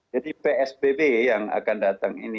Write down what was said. jadi psbb yang akan datang ini